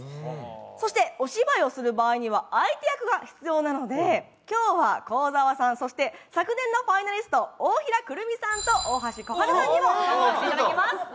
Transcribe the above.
そして、お芝居をする場合には相手役が必要なので、今日は幸澤さん、そして昨年のファイナリスト、大平くるみさんと大橋小春さんにも参加していただきます。